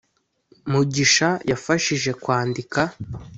Mugisha yafashije kwandika